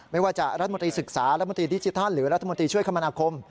ไม่ว่าจะรัฐมนตรีศึกษารัฐมนตรีดิจิทัลหรือรัฐมนตรีช่วยคมนาคม